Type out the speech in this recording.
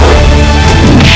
aku akan menang